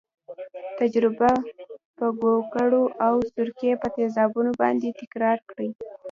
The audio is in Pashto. تجربه په ګوګړو او سرکې په تیزابونو باندې تکرار کړئ.